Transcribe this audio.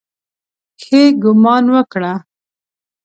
ښه ګومان وکړه.